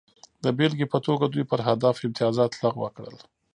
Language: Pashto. د بېلګې په توګه دوی پر هدف امتیازات لغوه کړل